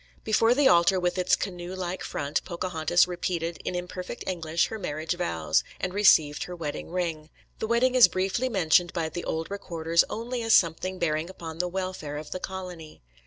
Before the altar with its canoe like front Pocahontas repeated in imperfect English her marriage vows, and received her wedding ring. The wedding is briefly mentioned by the old recorders only as something bearing upon the welfare of the colony.